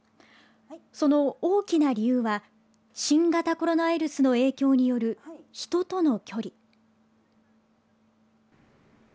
その大きな理由は新型コロナウイルスの影響による人との距離。